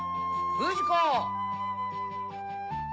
不二子！